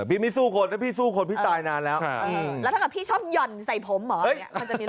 พี่ไม่สู้คนถ้าพี่สู้คนพี่ตายนานแล้วแล้วถ้าเกิดพี่ชอบหย่อนใส่ผมเหรอ